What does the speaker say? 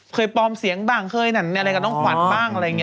ปลอมเสียงบ้างเคยนั่นอะไรกับน้องขวัญบ้างอะไรอย่างนี้